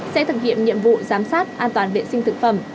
sẽ thực hiện nhiệm vụ giám sát an toàn vệ sinh thực phẩm